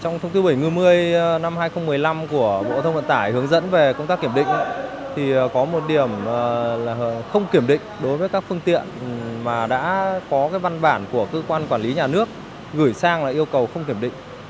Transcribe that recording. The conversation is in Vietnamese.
trong thông tư bảy mươi năm hai nghìn một mươi năm của bộ thông vận tải hướng dẫn về công tác kiểm định thì có một điểm là không kiểm định đối với các phương tiện mà đã có văn bản của cơ quan quản lý nhà nước gửi sang là yêu cầu không kiểm định